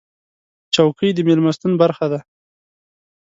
چوکۍ د میلمستون برخه ده.